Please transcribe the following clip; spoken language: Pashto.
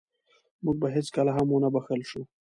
موږ به هېڅکله هم ونه بښل شو.